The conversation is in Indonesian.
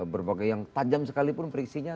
berbagai yang tajam sekalipun friksinya